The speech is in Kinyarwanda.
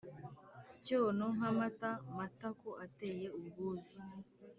Cyono nkamata matako ateye ubwuzu!